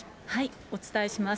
お伝えします。